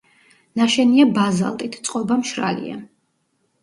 ნაშენია ბაზალტით, წყობა მშრალია.